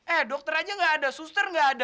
eh dokter aja gak ada suster gak ada